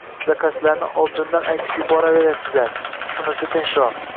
Zakazlarni oldindan aytib qoʻyaverasizlar, shunisi tinchroq.